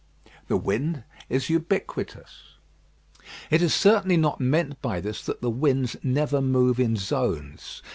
The wind is ubiquitous. It is certainly not meant by this that the winds never move in zones.